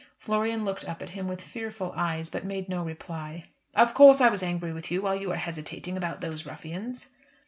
Florian looked up at him with fearful eyes, but made no reply. "Of course I was angry with you while you were hesitating about those ruffians."